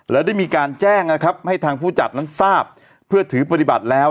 และได้มีการแจ้งนะครับให้ทางผู้จัดนั้นทราบเพื่อถือปฏิบัติแล้ว